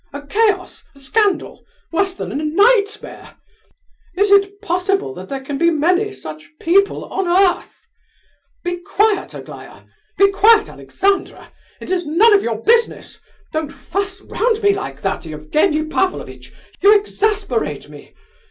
A chaos, a scandal, worse than a nightmare! Is it possible that there can be many such people on earth? Be quiet, Aglaya! Be quiet, Alexandra! It is none of your business! Don't fuss round me like that, Evgenie Pavlovitch; you exasperate me!